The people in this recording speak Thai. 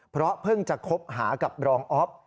เพราะเพิ่งจะคบหากับรองอ๊อฟ